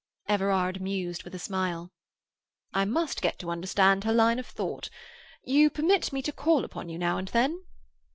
Everard mused with a smile. "I must get to understand her line of thought. You permit me to call upon you now and then?"